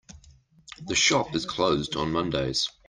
The shop is closed on Mondays.